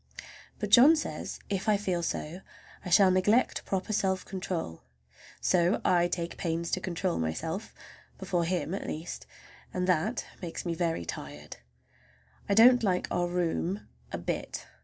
But John says if I feel so I shall neglect proper self control; so I take pains to control myself,—before him, at least,—and that makes me very tired. I don't like our room a bit.